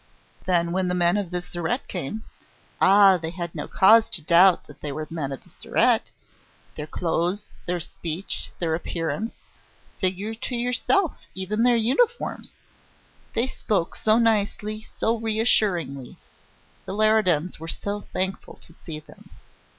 Then, when the men of the Surete came.... Ah! they had no cause to doubt that they were men of the Surete!... their clothes, their speech, their appearance ... figure to yourself, even their uniforms! They spoke so nicely, so reassuringly. The Leridans were so thankful to see them!